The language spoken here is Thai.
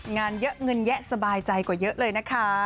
งานเยอะเงินแยะสบายใจกว่าเยอะเลยนะคะ